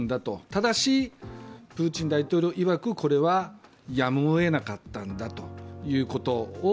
ただし、プーチン大統領いわく、これはやむをえなかったのだということを